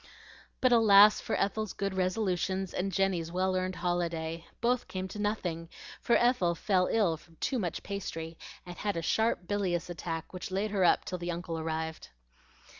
But alas for Ethel's good resolutions and Jenny's well earned holiday! Both came to nothing, for Ethel fell ill from too much pastry, and had a sharp bilious attack which laid her up till the uncle arrived.